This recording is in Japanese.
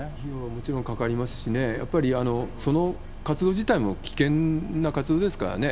もちろんかかりますしね、やっぱり、その活動自体も危険な活動ですからね。